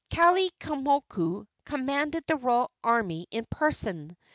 Kalaimoku commanded the royal army in person.